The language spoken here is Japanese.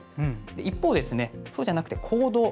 一方、そうじゃなくて行動。